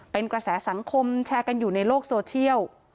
เป็นกระแสสังคมแชร์กันอยู่ในโลกโซเชียล